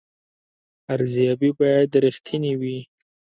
ارزیابي باید رښتینې وي